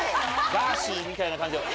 ガーシーみたいな感じで。